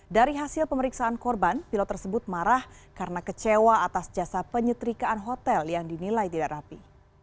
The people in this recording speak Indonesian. dari hasil pemeriksaan korban pilot tersebut marah karena kecewa atas jasa penyetrikaan hotel yang dinilai tidak rapi